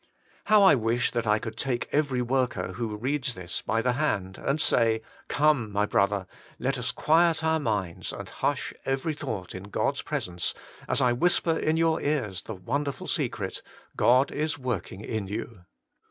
How I wish that I could take every worker who reads this by the hand, and say — Come, my brother ! let us quiet our minds, and hush every thought in God's presence, as I whisper in your ears the won derful secret: God is zuorkiiig in you.